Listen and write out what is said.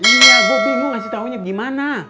iya gua bingung kasih taunya gimana